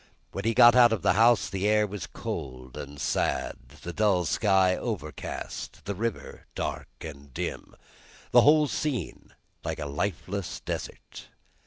When he got out of the house, the air was cold and sad, the dull sky overcast, the river dark and dim, the whole scene like a lifeless desert.